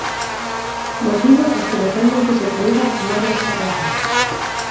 Motivos dos que defenden que se prohiba fumar nas terrazas.